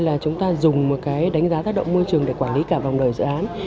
là chúng ta dùng một cái đánh giá tác động môi trường để quản lý cả vòng đời dự án